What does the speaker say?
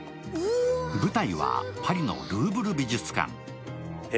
舞台はパリのルーヴル美術館。